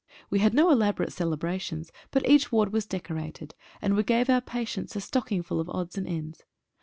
We had no elaborate celebrations, but each ward was deco rated, and we gave our patients a stocking full of odds and ends.